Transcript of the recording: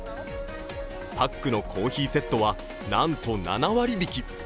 パックのコーヒーセットはなんと７割引。